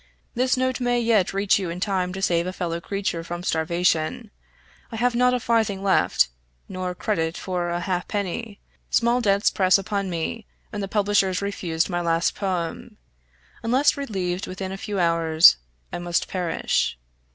This note may yet reach you in time to save a fellow creature from starvation. I have not a farthing left, nor credit for a ha'penny small debts press upon me, and the publishers refused my last poem. Unless relieved within a few hours I must perish.